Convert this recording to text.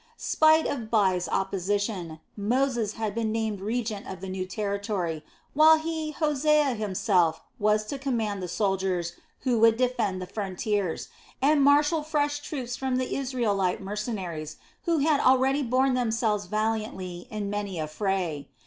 Spite of Bai's opposition, Moses had been named regent of the new territory, while he, Hosea, himself was to command the soldiers who would defend the frontiers, and marshal fresh troops from the Israelite mercenaries, who had already borne themselves valiantly in many a fray.